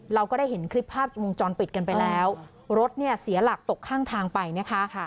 เราก็ได้เห็นคลิปภาพวงจรปิดกันไปแล้วรถเนี่ยเสียหลักตกข้างทางไปนะคะ